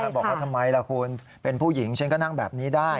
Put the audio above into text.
บอกว่าทำไมล่ะคุณเป็นผู้หญิงฉันก็นั่งแบบนี้ได้